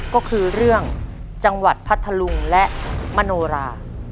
ก็คือเรื่องจังหวัดพัทธลุงและมโนรา